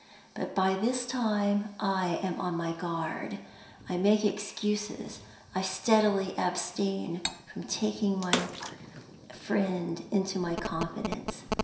But by this time I am on my guard; I make excuses; I steadily abstain from taking my friend into my confidence.